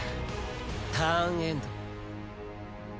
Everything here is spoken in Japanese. ターンエンド。